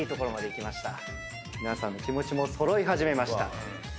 皆さんの気持ちも揃い始めました。